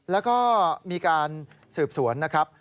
แล้วก็มีการสืบสวนนะครับ